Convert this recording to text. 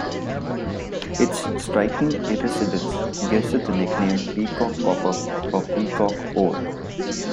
Its striking iridescence gives it the nickname "peacock copper" or "peacock ore".